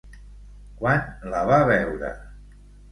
Quan la va veure?